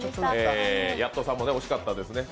ヤットさんも惜しかったですね。